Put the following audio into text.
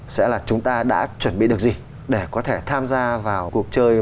sẽ là chúng ta đã chuẩn bị được gì để có thể tham gia vào cuộc chơi